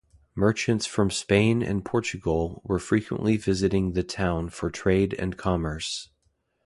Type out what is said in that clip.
Merchants from Spain and Portugal were frequently visiting the town for Trade and commerce.